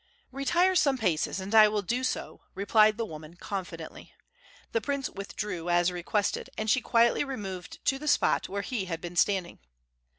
"Retire some paces, and I will do so," replied the woman, confidently. The prince withdrew, as requested, and she quietly removed to the spot where he had been standing.